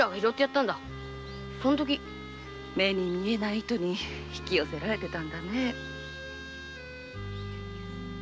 目に見えない糸に引き寄せられていたんだね。